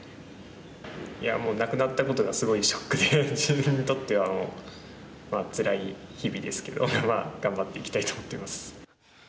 いやもうなくなったことがすごいショックで自分にとってはもうつらい日々ですけどまあ頑張っていきたいと思ってます。